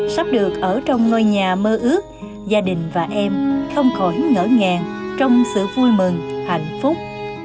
sắp được ở trong ngôi nhà mơ ước gia đình và em không khỏi ngỡ ngàng trong sự vui mừng hạnh phúc